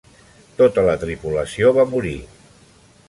Tota la tripulació va morir.